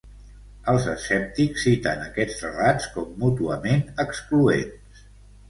Els escèptics citen aquests relats com mútuament excloents.